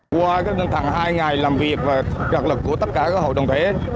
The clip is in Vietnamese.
qua hai ngày làm việc và gặp lực của tất cả hội đồng thuế